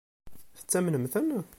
Ttamnent-ten?